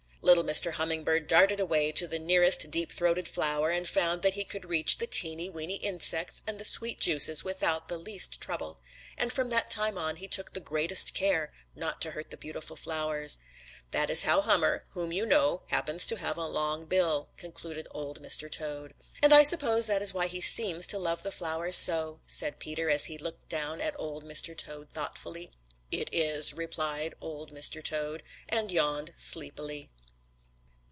"Little Mr. Hummingbird darted away to the nearest deep throated flower and found that he could reach the teeny, weeny insects and the sweet juices without the least trouble, and from that time on he took the greatest care not to hurt the beautiful flowers. That is how Hummer, whom you know, happens to have a long bill," concluded Old Mr. Toad. "And I suppose that is why he seems to love the flowers so," said Peter as he looked down at Old Mr. Toad thoughtfully. "It is," replied Old Mr. Toad, and yawned sleepily.